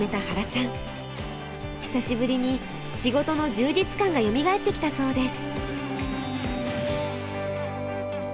久しぶりに仕事の充実感がよみがえってきたそうです。